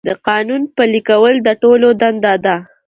د قانون پلي کول د ټولو دنده ده.